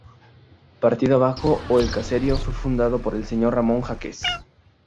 Partido Abajo o el Caserío fue fundado por el señor Ramón Jáquez.